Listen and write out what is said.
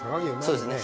そうですね。